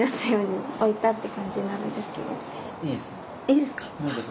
いいですか？